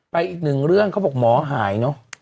อีกหนึ่งเรื่องเขาบอกหมอหายเนอะ